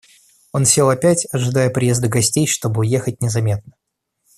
Он сел опять, ожидая приезда гостей, чтоб уехать незаметно.